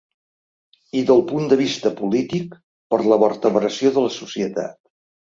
I del punt de vista polític, per la vertebració de la societat.